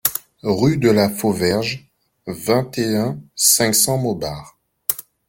Rue de la Fauverge, vingt et un, cinq cents Montbard